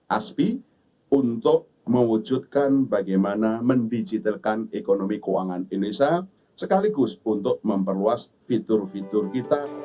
aspi untuk mewujudkan bagaimana mendigitalkan ekonomi keuangan indonesia sekaligus untuk memperluas fitur fitur kita